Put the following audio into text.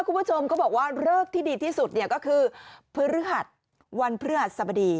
คุณผู้ชมก็บอกว่าเลิกที่ดีที่สุดเนี่ยก็คือพฤหัสวันพฤหัสสบดี